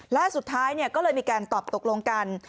และสุดท้ายก็เลยมีการตอบตกลงกัน